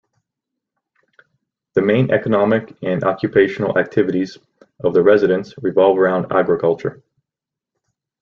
The main economic and occupational activities of the residents revolve around agriculture.